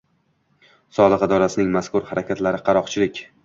Soliq idorasining mazkur harakatlari – qaroqchilik.